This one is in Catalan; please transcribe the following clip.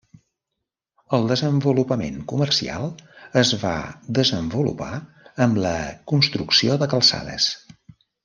El desenvolupament comercial es va desenvolupar amb la construcció de calçades.